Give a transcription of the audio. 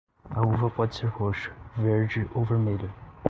A uva pode ser roxa, verde ou vermelha.